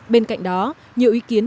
bên cạnh đó nhiều ý kiến